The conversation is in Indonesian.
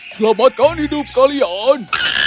selamatkan hidup kalian